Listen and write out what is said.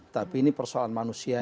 tapi ini persoalan manusianya